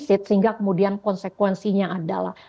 sehingga kemudian konsekuensinya adalah